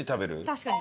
確かに。